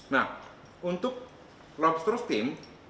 nah untuk lobster steam